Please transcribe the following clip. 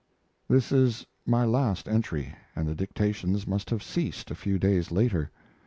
This is my last entry, and the dictations must have ceased a few days later.